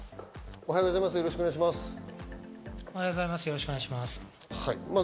おはようございます。